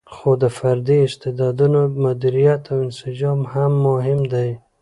خو د فردي استعدادونو مدیریت او انسجام هم مهم دی.